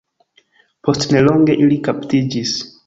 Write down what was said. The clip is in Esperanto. Post nelonge ili kaptiĝis.